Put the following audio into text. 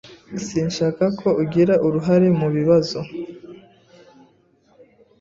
Sinshaka ko ugira uruhare mu bibazo.